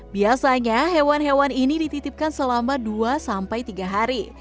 biasanya hewan hewan ini dititipkan selama dua sampai tiga hari